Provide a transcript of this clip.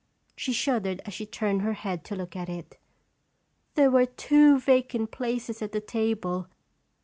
She shuddered as she turned her head to look at it. " There were two vacant places at the table.